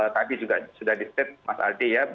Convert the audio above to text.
tadi juga sudah di step mas aldi ya